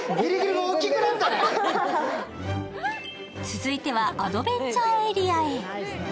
続いてはアドベンチャーエリアへ。